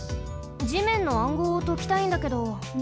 地面の暗号をときたいんだけど。